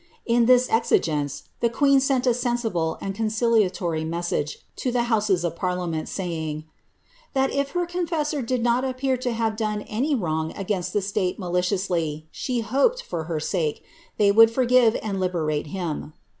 In this exigence, the queen sent a sensible and conciliatory message to the houses of parliament, saying, ^ that if her confessor did not appear to have done any wrong against the state HMliciously, she hoped, for her sake, they would forgive and liberate him."